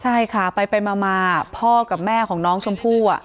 ใช่ค่ะไปมาพ่อกับแม่ของน้องชมพู่